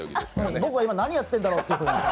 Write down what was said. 僕は今何やってんだろうって。